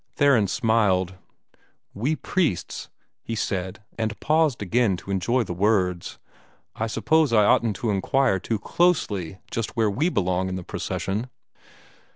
Theron smiled. "We priests," he said, and paused again to enjoy the words "I suppose I oughtn't to inquire too closely just where we belong in the procession."